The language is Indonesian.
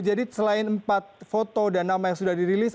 jadi selain empat foto dan nama yang sudah dirilis